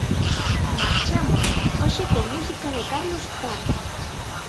Marchamos, hoxe coa música de Carlos Tarque.